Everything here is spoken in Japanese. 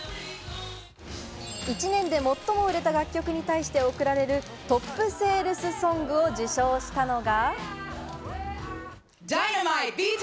１年で最も売れた楽曲に対して贈られるトップ・セールス・ソングを受賞したのが。